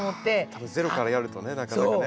たぶんゼロからやるとねなかなかね。